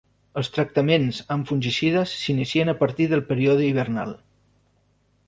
Els tractaments amb fungicides s'inicien a partir del període hivernal.